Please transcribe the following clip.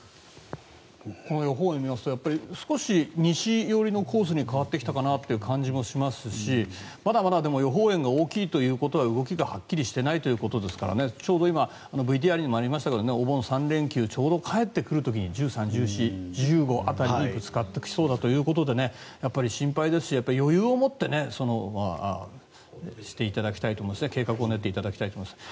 これを見ますと少し西寄りのコースに変わってきたかなという感じもしますしまだまだでも予報円が大きいということは動きがはっきりしていないということですからちょうど今ＶＴＲにもありましたがお盆３連休ちょうど帰ってくる時に１３、１４、１５日辺りにぶつかっていきそうだということで心配ですし、余裕を持って計画を練っていただきたいと思いますね。